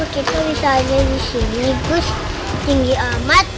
kita bisa aja disini gus tinggi amat